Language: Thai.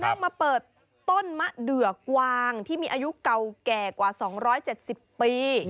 นั่งมาเปิดต้นมะเดือกวางที่มีอายุเก่าแก่กว่าสองร้อยเจ็ดสิบปี